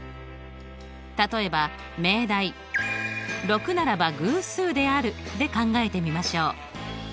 例えば命題「６ならば偶数である」で考えてみましょう。